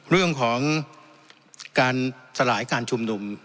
เรื่องของการสลายการชุมนุม